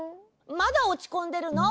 まだおちこんでるの？